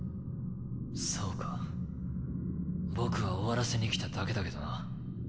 そうか僕は終わらせに来ただけだけどな。